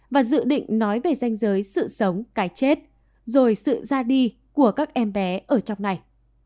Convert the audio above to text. và dự định nói về danh giới sự sống cái chết rồi sự ra đi của các em bé ở trong này